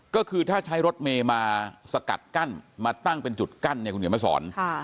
ก็คือถ้าใช้รถเมย์มาสกัดกั้นมาตั้งเป็นจุดกั้นเนี่ยคุณเดี๋ยวมาสอน